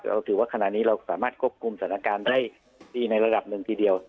เราถือว่าขณะนี้เราสามารถควบคุมสถานการณ์ได้ดีในระดับหนึ่งทีเดียว